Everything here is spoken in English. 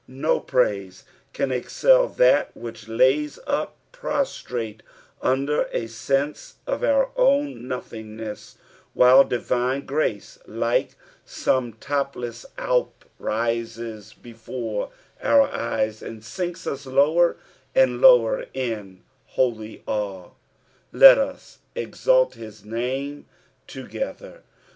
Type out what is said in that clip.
No praise can excel that which lays us prostrate under a sense of our own nothingness, while divine grace like some topless Alp rises before our eyes, and sinks us lower and lower in holy awe. " IM tu exalt hit natne together."